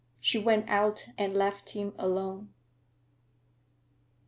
She went out and left him alone.